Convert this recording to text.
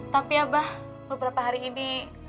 tapi abah beberapa hari ini